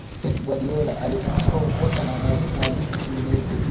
pep guardiola alifundishwa ukocha na mwalimu wa leeds united